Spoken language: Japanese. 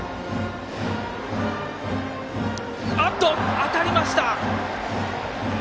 当たりました。